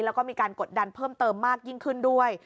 แล้วก็มีการกดดันเพิ่มเติมมากยิ่งขึ้นด้วย